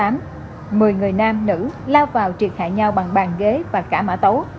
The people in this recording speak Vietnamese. một người nam nữ lao vào triệt hại nhau bằng bàn ghế và cả mã tấu